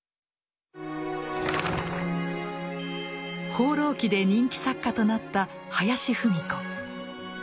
「放浪記」で人気作家となった林芙美子。